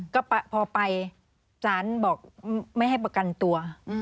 ก็พอไปสารบอกไม่ให้ประกันตัว